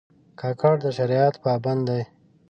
کاکړ د شریعت پابند دي.